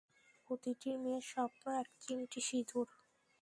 প্রতিটি মেয়ের স্বপ্ন, এক চিমটি সিদুর।